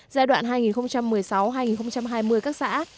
giai đoạn hai nghìn một mươi sáu hai nghìn hai mươi các xã